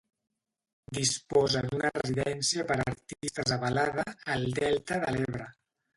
Disposa d’una residència per artistes a Balada, al delta de l'Ebre.